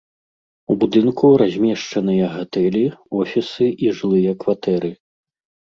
У будынку размешчаныя гатэлі, офісы і жылыя кватэры.